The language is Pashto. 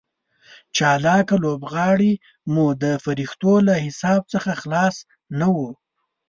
چالاکه لوبغاړي مو د فرښتو له حساب څخه خلاص نه وو.